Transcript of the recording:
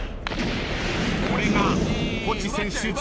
これがポチ選手人生初。